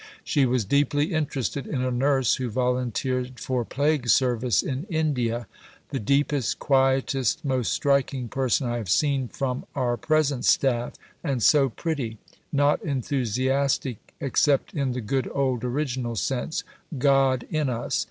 She was deeply interested in a nurse who volunteered for plague service in India: "The deepest, quietest, most striking person I have seen from our present staff, and so pretty. Not enthusiastic except in the good old original sense: God in us.